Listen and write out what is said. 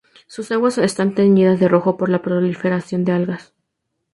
Sus aguas están teñidas de rojo por la proliferación de algas.